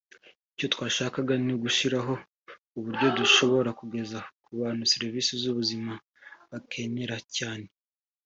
Icyo twashakaga ni ugushyiraho uburyo dushobora kugeza ku bantu serivisi z’ubuzima bakenera cyane